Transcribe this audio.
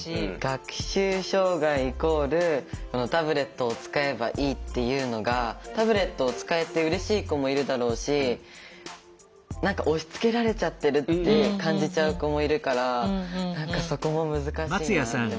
学習障害イコールタブレットを使えばいいっていうのがタブレットを使えてうれしい子もいるだろうし何か押しつけられちゃってるって感じちゃう子もいるから何かそこも難しいなって思う。